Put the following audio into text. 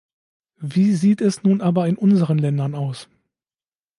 Wie sieht es nun aber in unseren Ländern aus?